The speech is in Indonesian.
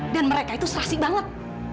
dan mereka itu serasi banget